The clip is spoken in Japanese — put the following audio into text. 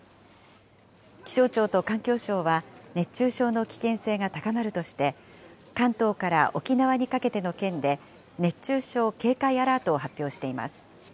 気象庁と環境省は、熱中症の危険性が高まるとして、関東から沖縄にかけての県で熱中症警戒アラートを発表しています。